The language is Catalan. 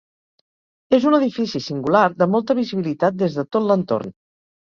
És un edifici singular, de molta visibilitat des de tot l'entorn.